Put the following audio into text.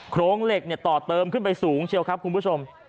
โครงเหล็กต่อเติมขึ้นไปสูงเชียวครับคุณผู้ชม